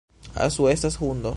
Asu estas hundo